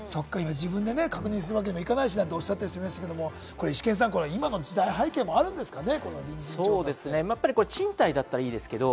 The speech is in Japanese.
自分で確認するわけにもいかないしなんておっしゃってる方もいましたが、イシケンさん、今の時代背景もあるんですかね？